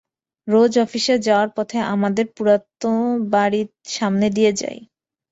রোজ office যাওয়ার পথে আমাদের পুরানো বাড়ির সামনে দিয়ে যাই।